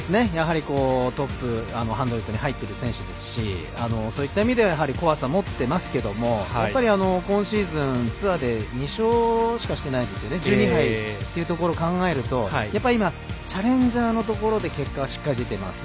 トップ１００に入ってる選手ですしそういった意味では怖さ持ってますけど、やっぱり今シーズン、ツアーで２勝しかしてないことを考えると今、チャレンジャーのところで結果がしっかり出てます。